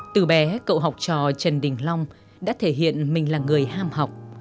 từ bé cậu học trò trần đình long đã thể hiện mình là người ham học